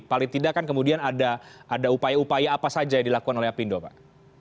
paling tidak kan kemudian ada upaya upaya apa saja yang dilakukan oleh apindo pak